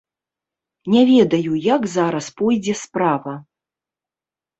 Не ведаю, як зараз пойдзе справа.